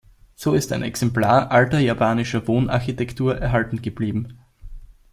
So ist ein Exemplar alter japanischer Wohnarchitektur erhalten geblieben.